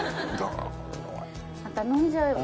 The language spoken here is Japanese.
また飲んじゃうよ。